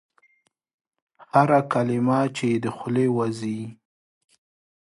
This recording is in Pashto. هره کلمه چي یې د خولې وزي ؟